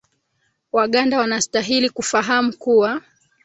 waganda wanastahili kufahamu kuwa